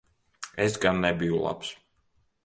Es gan nebiju labs.